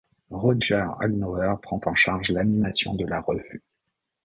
Roger Hagnauer prend en charge l'animation de la revue.